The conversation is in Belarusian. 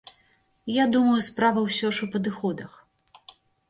Я думаю, справа ўсё ж у падыходах.